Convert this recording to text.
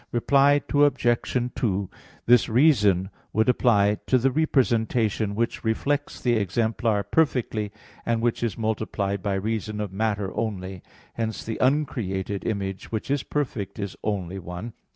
Reply Obj. 2: This reason would apply to the representation which reflects the exemplar perfectly, and which is multiplied by reason of matter only; hence the uncreated image, which is perfect, is only one.